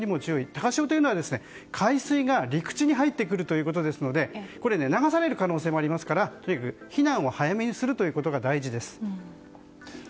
高潮というのは海水が陸地に入ってくるということですので流される可能性もありますから避難を早めにすることが大事です。